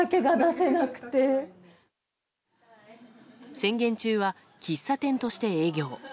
宣言中は喫茶店として営業。